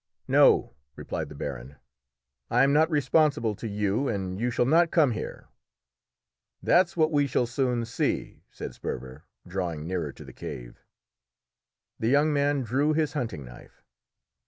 "No," replied the baron, "I am not responsible to you, and you shall not come here!" "That's what we shall soon see!" said Sperver, drawing nearer to the cave. The young man drew his hunting knife.